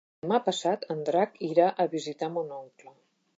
Demà passat en Drac irà a visitar mon oncle.